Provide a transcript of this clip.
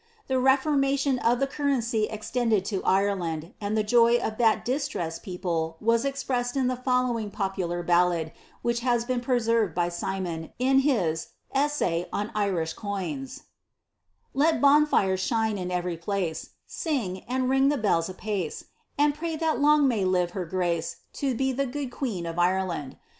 * The reformation of the currency extended to Ireland, and the joy of that distressed people was expressed in the following popular Ikdiad, which has been preserved by Simon, in his ^^Essav on Irish Coins :" Let bonfires shine in every place, Siog, and ring the bells apace, And pray tliat long may live her grace To be the good queen of Ireland.